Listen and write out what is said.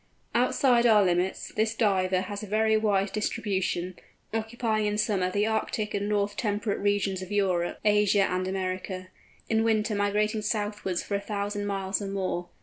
Outside our limits, this Diver has a very wide distribution, occupying in summer the Arctic and north temperate regions of Europe, Asia, and America; in winter migrating southwards for a thousand miles or more.